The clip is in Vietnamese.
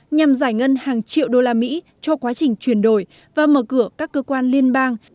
nhằm giải ngân hàng triệu đô la mỹ cho quá trình chuyển đổi và mở cửa các cơ quan liên bang